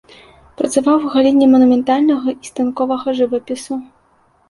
Працаваў у галіне манументальнага і станковага жывапісу.